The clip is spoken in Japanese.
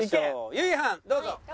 ゆいはんどうぞ！